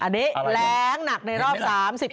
อันนี้แล้งหนักในรอบ๓๐ปี